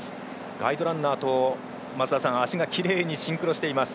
ガイドランナーと足がきれいにシンクロしています。